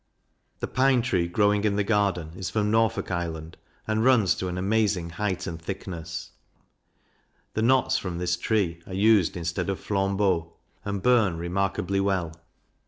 The Pine tree growing in the garden is from Norfolk Island, and runs to an amazing height and thickness; the knots from this tree are used instead of flambeaux, and burn remarkably well.